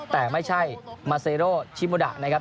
แต่ไม่ใช่มาเซโรชิโมดะนะครับ